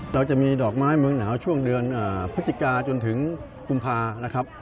เราจะมีดอกไม้เมืองหนาวช่วงเดือนพฤศจิกาจนถึงกุมภานะครับ